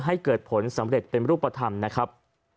ให้เกิดผลสำเร็จเป็นรูปธรรมนะครับ